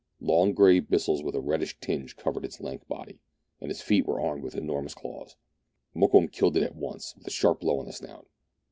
Long grey bristles with a reddish tinge covered its lank body, and its feet were armed with enormous claws. Mokoum killed it at once with a sharp blow on the snout.